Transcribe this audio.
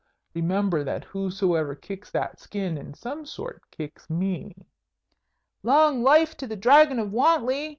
Remember, that whosoever kicks that skin in some sort kicks me." "Long life to the Dragon of Wantley!"